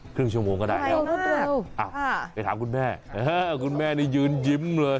ครึ่งชั่วโมงก็ได้แล้วไปถามคุณแม่คุณแม่นี่ยืนยิ้มเลย